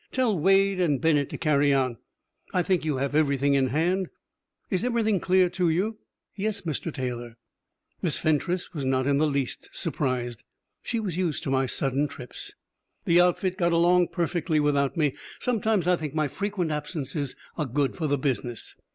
Tell Wade and Bennett to carry on. I think you have everything in hand? Is everything clear to you?" "Yes, Mr. Taylor." Miss Fentress was not in the least surprised. She was used to my sudden trips. The outfit got along perfectly without me; sometimes I think my frequent absences are good for the business.